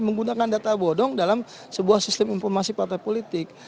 menggunakan data bodong dalam sebuah sistem informasi partai politik